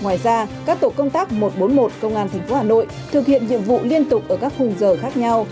ngoài ra các tổ công tác một trăm bốn mươi một công an tp hà nội thực hiện nhiệm vụ liên tục ở các khung giờ khác nhau